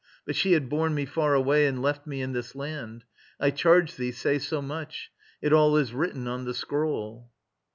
But she had borne me far away And left me in this land. I charge thee, say So much. It all is written on the scroll.